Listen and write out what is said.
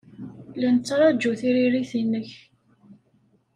La nettṛaju tiririt-nnek.